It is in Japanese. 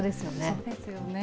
そうですよね。